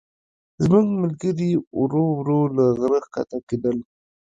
زموږ ملګري ورو ورو له غره ښکته کېدل.